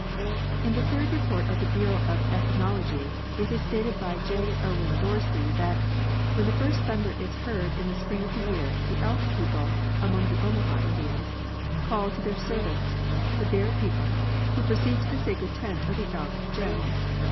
In the third report of the Bureau of Ethnology it is stated by J. Owen Dorsey that " When the first thunder is heard in the spring of the year the Elk people [among the Omaha Indians] call to their servants, the Bear people, who proceed to the sacred tent of the Elk gens.